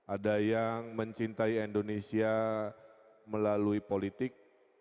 ada yang mencintai indonesia melalui politik